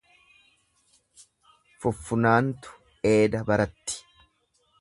Fuffunaantu dheeda baratti.